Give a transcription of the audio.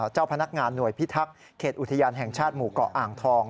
เจ้าพนักงานหน่วยพิทักษ์เขตอุทยานแห่งชาติหมู่เกาะอ่างทอง